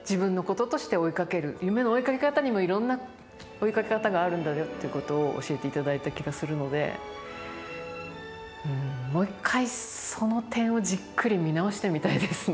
夢の追いかけ方にもいろんな追いかけ方があるんだよっていうことを教えていただいた気がするのでうんもう一回その点をじっくり見直してみたいですね